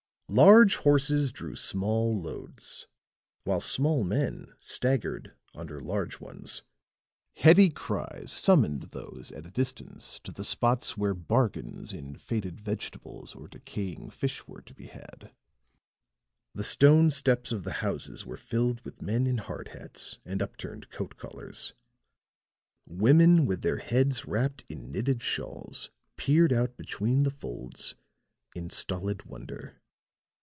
Large horses drew small loads, while small men staggered under large ones; heady cries summoned those at a distance to the spots where bargains in faded vegetables or decaying fish were to be had; the stone steps of the houses were filled with men in hard hats and upturned coat collars; women with their heads wrapped in knitted shawls peered out between the folds in stolid wonder.